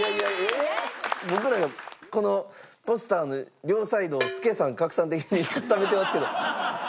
僕らがこのポスターの両サイドを助さん格さん的に固めてますけど。